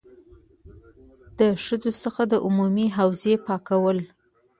له ښځو څخه د عمومي حوزې پاکول.